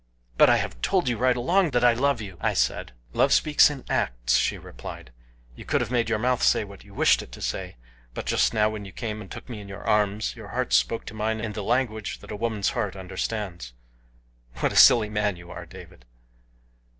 "But I have told you right along that I love you," I said. "Love speaks in acts," she replied. "You could have made your mouth say what you wished it to say, but just now when you came and took me in your arms your heart spoke to mine in the language that a woman's heart understands. What a silly man you are, David."